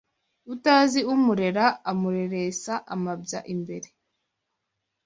Utazi umurera amureresa amabya imbere